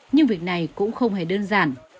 nhưng việc này cũng không hề đơn giản